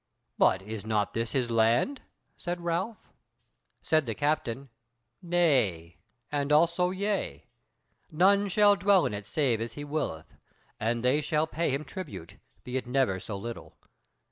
"But is not this his land?" said Ralph. Said the captain: "Nay, and also yea. None shall dwell in it save as he willeth, and they shall pay him tribute, be it never so little.